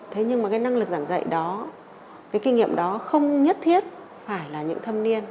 thế nhưng mà cái năng lực giảng dạy đó cái kinh nghiệm đó không nhất thiết phải là những thâm niên